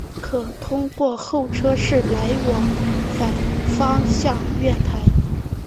可通过候车室来往反方向月台。